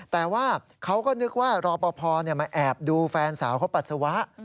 แต่ว่าเขาก็นึกว่ารอปภมาแอบดูแฟนสาวเขาปัสสาวะ